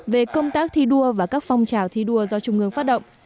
về công tác thi đua và các phong trào thi đua do trung ương phát động